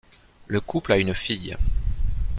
Le couple a une fille.